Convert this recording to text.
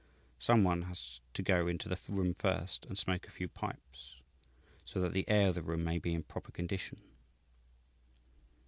Some one has to go into the room first and smoke a few pipes, so that the air of the room may be in proper condition.